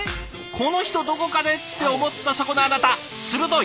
この人どこかで」って思ったそこのあなた鋭い！